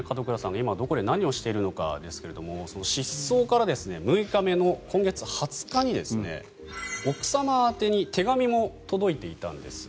今、どこで何をしているかですが失踪から６日目の今月２０日に、奥様宛てに手紙も届いていたんです。